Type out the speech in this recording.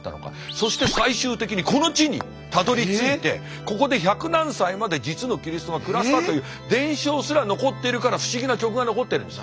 そして最終的にこの地にたどりついてここで百何歳まで実のキリストが暮らしたという伝承すら残っているから不思議な曲が残ってるんです。